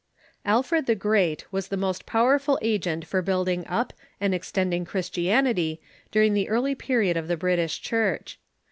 Alfred the Great was the most powerful agent for build ing up and extending Christianity during the early period of the British Church.